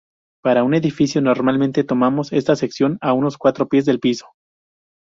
Para un edificio normalmente tomamos esta sección a unos cuatro pies del piso.